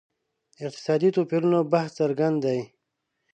اقتصادي توپیرونو بحث څرګند دی.